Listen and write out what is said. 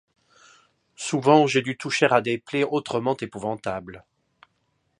Souvent j'ai dû toucher à des plaies autrement épouvantables.